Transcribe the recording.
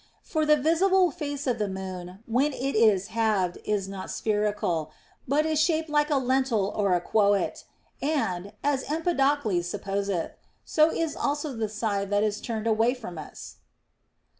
For the visible face of the moon, when it is halved, is not spherical, but shaped like a lentil or a quoit; and (as Empedocles supposeth) so is also the side that is turned away from us.